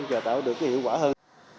và tạo được cái hiệu quả hơn